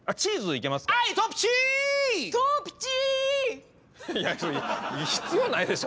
いやそれ必要ないでしょ？